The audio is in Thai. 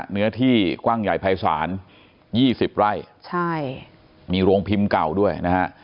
เนื้อที่กว้างใหญ่ภายศาลยี่สิบไร่ใช่มีโรงพิมพ์เก่าด้วยนะฮะ